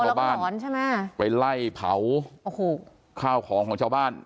เป๋าแล้วก็หอนใช่ไหมบ้านไปไล่เผาโอ้โหข้าวของของชาวบ้าน